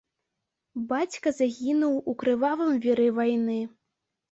Бацька загінуў у крывавым віры вайны.